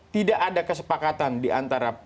tidak ada kesepakatan diantara